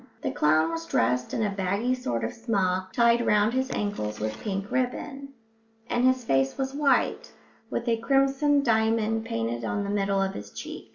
The clown was dressed in a baggy sort of smock, tied round his ankles with pink ribbon, and his face was white, with a crimson diamond painted on the middle of each cheek.